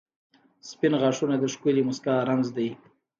• سپین غاښونه د ښکلې مسکا رمز دی.